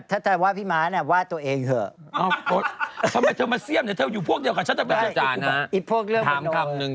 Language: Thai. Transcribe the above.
ก็ธรรมดาเค้าไม่ได้พูดว่าจริงจังหรือเล่น